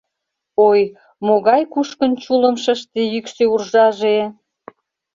Ой, могай кушкын чулым Шыште йӱксӧ-уржаже!